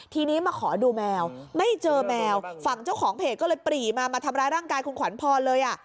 ทีนี้มาขอดูแมวไม่เจอแมวฝั่งเจ้าของเพจก็เลยปรีมามาทำร้ายร่างกายคุณขวัญพรเลยอ่ะ